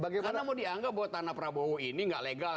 karena mau dianggap bahwa tanah prabowo ini nggak legal